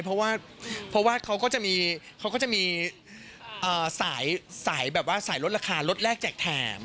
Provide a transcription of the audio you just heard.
เพราะว่าเขาก็จะมีสายลดราคาลดแรกจากแถม